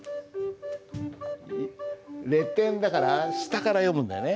レ点だから下から読むんだよね。